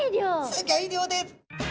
すギョい量です！